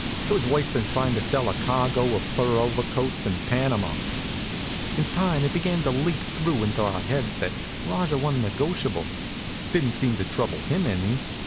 It was worse than trying to sell a cargo of fur overcoats in Panama. In time it began to leak through into our heads that Rajah wa'n't negotiable. Didn't seem to trouble him any.